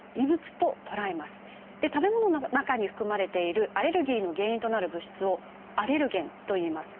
食べ物の中に含まれているアレルギーの原因となる物質を「アレルゲン」といいます。